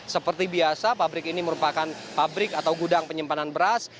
seperti biasa pabrik ini merupakan pabrik atau gudang penyimpanan beras